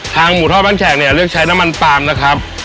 หมูทอดบ้านแขกเนี่ยเลือกใช้น้ำมันปาล์มนะครับ